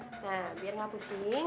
nah biar nggak pusing